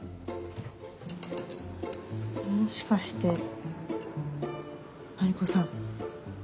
もしかして真理子さん